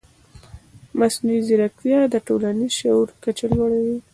مصنوعي ځیرکتیا د ټولنیز شعور کچه لوړوي.